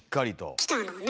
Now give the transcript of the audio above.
きたのね。